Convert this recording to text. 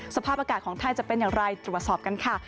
สภาพอากาศของไทยจะเป็นอย่างไรตรวจสอบกันค่ะ